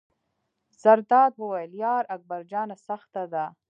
زرداد وویل: یار اکبر جانه سخته ده.